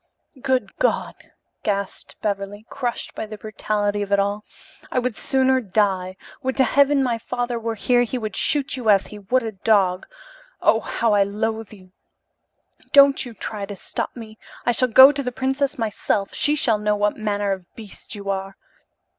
"Good God!" gasped Beverly, crushed by the brutality of it all. "I would sooner die. Would to heaven my father were here, he would shoot you as he would a dog! Oh, how I loathe you! Don't you try to stop me! I shall go to the princess myself. She shall know what manner of beast you are."